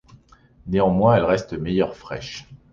Néanmoins elle reste meilleure fraîche.